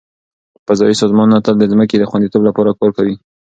فضایي سازمانونه تل د ځمکې د خوندیتوب لپاره کار کوي.